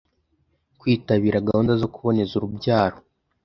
kwitabira gahunda zo kuboneza urubyaro